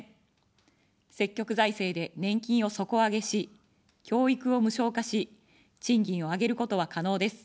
積極財政で年金を底上げし、教育を無償化し、賃金を上げることは可能です。